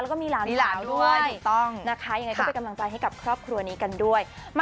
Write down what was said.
แล้วก็มีหลานสาวด้วยถูกต้องนะคะยังไงก็เป็นกำลังใจให้กับครอบครัวนี้กันด้วย